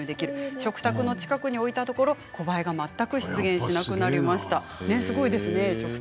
食卓の近くの置いたらコバエが全く出現しなくなりました。